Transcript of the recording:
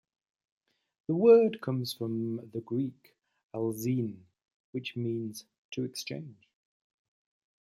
The word comes from the Greek "allazein," which means "to exchange.